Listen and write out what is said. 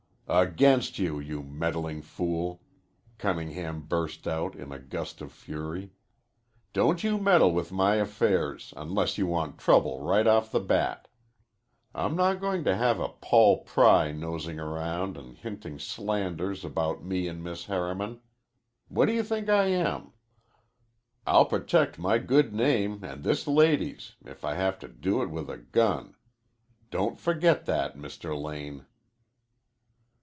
"Against you, you meddling fool!" Cunningham burst out in a gust of fury. "Don't you meddle with my affairs, unless you want trouble right off the bat. I'm not going to have a Paul Pry nosing around and hinting slanders about me and Miss Harriman. What do you think I am? I'll protect my good name and this lady's if I have to do it with a gun. Don't forget that, Mr. Lane."